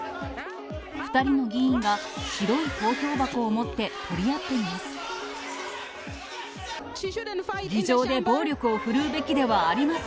２人の議員が白い投票箱を持って取り合っています。